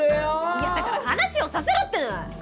いやだから話をさせろっての！